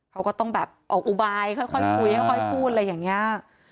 เขาก็ต้องแบบออกอุบายค่อยคุยค่อยพูดอะไรอย่างนี้